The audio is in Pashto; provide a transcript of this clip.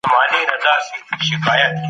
سفیران کله د پناه غوښتونکو حقونه پیژني؟